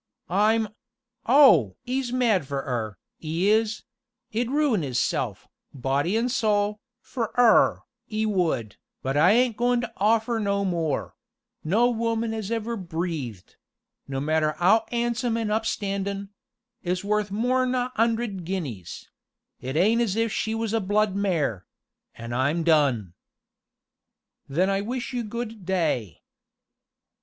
"'Im oh! 'e's mad for 'er, 'e is 'e'd ruin 'isself, body and soul, for 'er, 'e would, but I ain't goin' to offer no more; no woman as ever breathed no matter 'ow 'andsome an' up standin' is worth more 'n a 'undred guineas it ain't as if she was a blood mare an' I'm done!" "Then I wish you good day!"